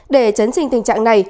để chấn trình tình trạng này